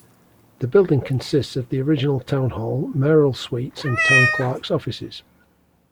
The building consists of the original Town Hall, mayoral suites and town clerk's offices.